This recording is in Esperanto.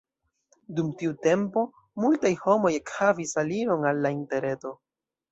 Dum tiu tempo multaj homoj ekhavis aliron al la interreto.